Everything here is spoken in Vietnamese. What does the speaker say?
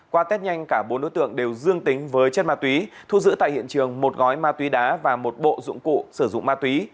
qua tết nhanh cả bốn đối tượng đều dương tính với chất ma túy thu giữ tại hiện trường một gói ma túy đá và một bộ dụng cụ sử dụng ma túy